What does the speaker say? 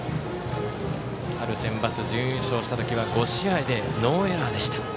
春センバツ準優勝した時は５試合でノーエラーでした。